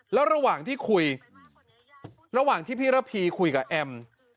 แล้วระหว่างที่คุยระหว่างที่พี่ระพีคุยกับแอม